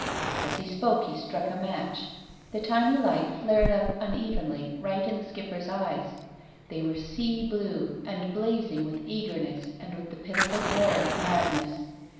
As he spoke he struck a match. The tiny light flared up unevenly right in the Skipper's eyes. They were sea blue and blazing with eager ness and with the pitiful glare of madness.